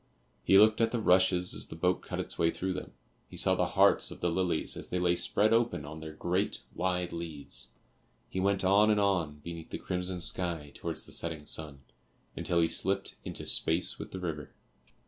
He looked at the rushes as the boat cut its way through them; he saw the hearts of the lilies as they lay spread open on their great wide leaves; he went on and on beneath the crimson sky towards the setting sun, until he slipped into space with the river.